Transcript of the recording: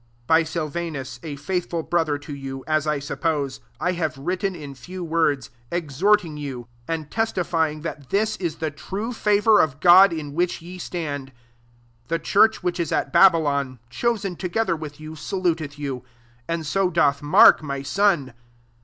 12 By Silvanus, a faithful brother to you, as I suppose, I have written in few words; ex horting you^ and testifying that 378 2 PETER I. this is the true favour of God in which ye stand. 13 The church which is at Babylon, cho sen together with youy saluteth you : and ao doth Mark, my son.